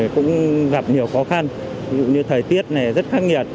cũng gặp nhiều khó khăn như thời tiết này rất khắc nghiệt